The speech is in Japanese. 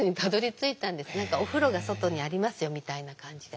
お風呂が外にありますよみたいな感じで。